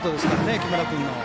木村君の。